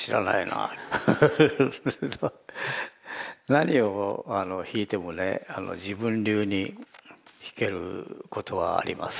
何を弾いてもね自分流に弾けることはあります。